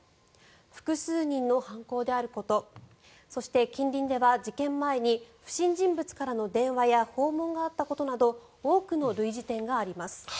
複数人の犯行であることそして、近隣では事件前に不審人物からの電話や訪問があったことなど多くの類似点があります。